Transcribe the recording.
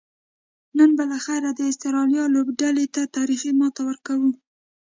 نن به لخیره د آسترالیا لوبډلې ته تاریخي ماته ورکوو